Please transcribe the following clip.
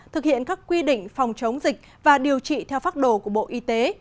thực hiện các quy định phòng chống dịch và điều trị theo pháp đồ của bộ y tế